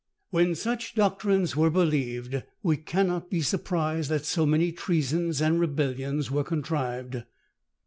When such doctrines were believed, we cannot be surprised that so many treasons and rebellions were contrived.